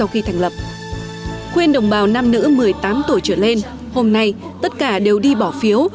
khuyên đồng bào nam nữ một mươi tám tuổi trở lên hôm nay tất cả đều đi bỏ phiếu